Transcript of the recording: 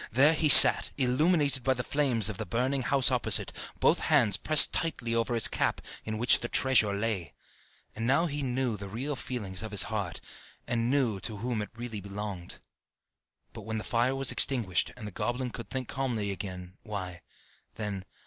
There he sat, illuminated by the flames of the burning house opposite, both hands pressed tightly over his cap, in which the treasure lay; and now he knew the real feelings of his heart, and knew to whom it really belonged. But when the fire was extinguished, and the goblin could think calmly again, why, then....